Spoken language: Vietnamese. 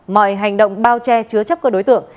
mọi hành động bao che chứa chấp các đối tượng